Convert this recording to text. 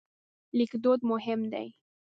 لیکدود مهم دی.